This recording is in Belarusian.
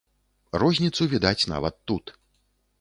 Розніцу відаць нават тут.